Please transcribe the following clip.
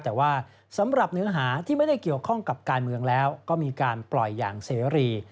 แต่ว่าสำหรับเนื้อหาที่ไม่ได้เกี่ยวข้องกับการเมืองแล้วก็มีการปล่อยอย่างเสรี